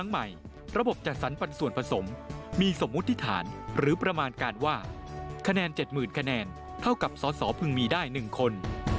เกี่ยวว่าตรงนี้จะมี๗๐๐๐๐คะแนนเท่ากับสอพึงมีได้๑คน